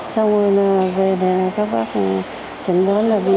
xong rồi là về đèn các bác chẩn đoán là bị lún